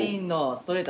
ストレート。